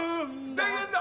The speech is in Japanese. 『田園』だ！